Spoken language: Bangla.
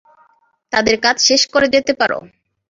তাদের কাজ শেষ করে যেতে পারো।